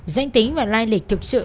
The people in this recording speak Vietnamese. danh tính và lai lịch thực sự